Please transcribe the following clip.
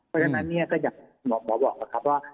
เพราะฉะนั้นเนี่ยก็อย่างหมอบอกแล้วครับว่า